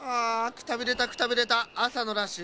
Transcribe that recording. くたびれたくたびれたあさのラッシュ